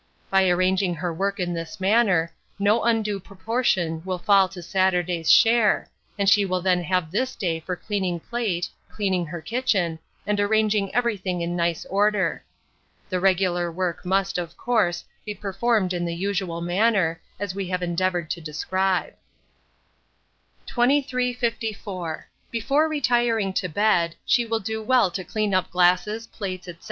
By arranging her work in this manner, no undue proportion will fall to Saturday's share, and she will then have this day for cleaning plate, cleaning her kitchen, and arranging everything in nice order. The regular work must, of course, be performed in the usual manner, as we have endeavoured to describe. 2354. Before retiring to bed, she will do well to clean up glasses, plates, &c.